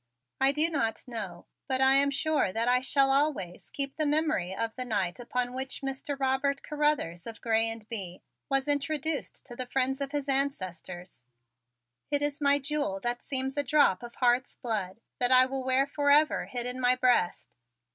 I do not know; but I am sure that I shall always keep the memory of the night upon which Mr. Robert Carruthers of Grez and Bye was introduced to the friends of his ancestors. It is my jewel that seems a drop of heart's blood that I will wear forever hid in my breast.